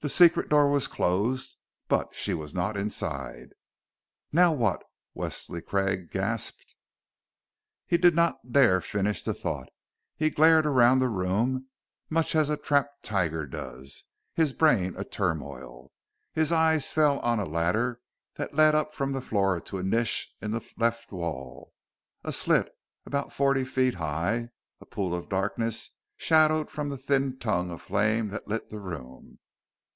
The secret door was closed but she was not inside! "Now what " Wesley Craig gasped. He did not dare finish the thought. He glared around, much as a trapped tiger does, his brain a turmoil. His eyes fell on a ladder that led up from the floor to a niche in the left wall a slit about forty feet high, a pool of darkness, shadowed from the thin tongue of flame that lit the room.